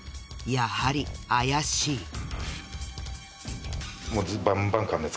やはり怪しい。